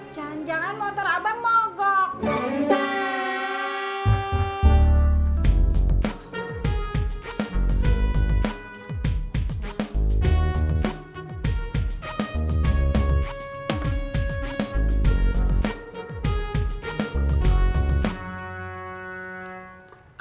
jangan jangan motor abang mogok